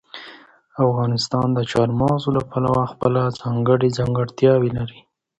افغانستان د چار مغز له پلوه خپله ځانګړې ځانګړتیاوې لري.